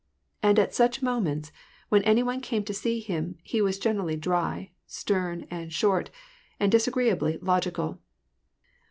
And at such mo ments, when any one came to see him, he was generally diy, stern, and short, and disagreeably logical.